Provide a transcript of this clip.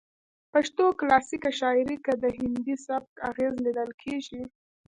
پښتو کلاسیکه شاعرۍ کې د هندي سبک اغیز لیدل کیږي